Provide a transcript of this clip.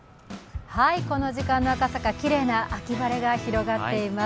この時間の赤坂きれいな秋晴れが広がっています。